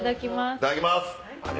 いただきます。